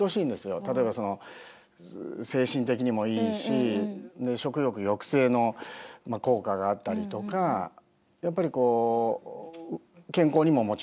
例えばその精神的にもいいし食欲抑制の効果があったりとかやっぱりこう健康にももちろんいいですし。